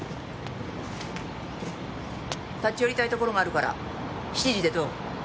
立ち寄りたい所があるから７時でどう？